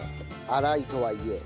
粗いとはいえ。